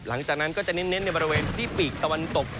หลังจากนั้นก็จะเน้นในบริเวณพื้นที่ปีกตะวันตก